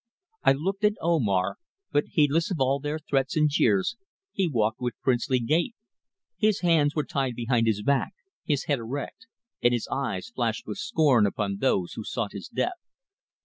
I looked at Omar, but heedless of all their threats and jeers, he walked with princely gait. His hands were tied behind his back, his head erect, and his eyes flashed with scorn upon those who sought his death.